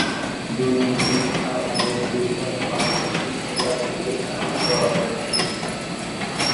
দুর্নীতি আর অনিয়ম দূর করার পাশাপাশি সরকারকে এ খাতে বরাদ্দ বাড়াতে হবে।